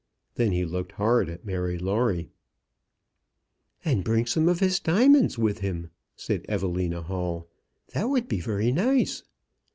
Then he looked hard at Mary Lawrie. "And bring some of his diamonds with him," said Evelina Hall. "That would be very nice."